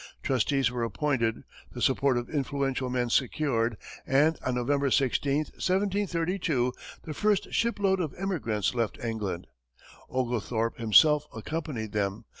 Trustees were appointed, the support of influential men secured, and on November 16, 1732, the first shipload of emigrants left England. Oglethorpe himself accompanied them.